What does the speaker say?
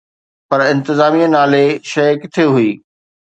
پر انتظاميا نالي شيءِ ڪٿي هئي؟